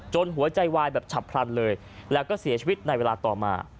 หัวใจวายแบบฉับพลันเลยแล้วก็เสียชีวิตในเวลาต่อมา